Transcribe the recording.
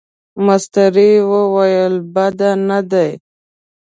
مستري وویل بد نه دي.